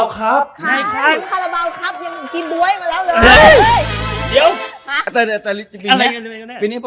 คาราบาลครับ